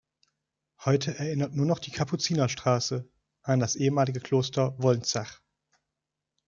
Heute erinnert nur noch die Kapuzinerstraße an das ehemalige Kloster Wolnzach.